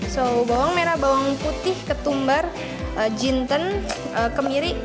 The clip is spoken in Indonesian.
so bawang merah bawang putih ketumbar jinten kemiri